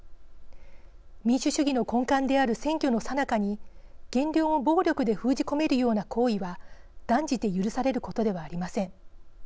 民主主義の根幹である選挙のさなかに言論を暴力で封じ込めるような行為は断じて許されることではありません。